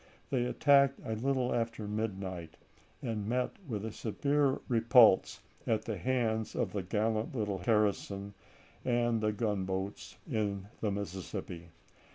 They attacked a little after midnight, and met with a severe repulse at the hands of the gallant little garrison and the gunboats in the Mississippi.